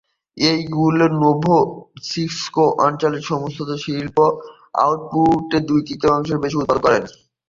এইগুলি নোভোসিবির্স্ক অঞ্চলের সমস্ত শিল্প আউটপুটের দুই-তৃতীয়াংশেরও বেশি উৎপাদন করে।